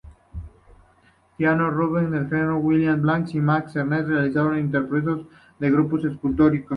Tiziano, Rubens, El Greco, William Blake y Max Ernst realizaron interpretaciones del grupo escultórico.